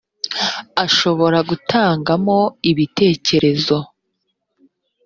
ashobora gutangamo ibitekerezo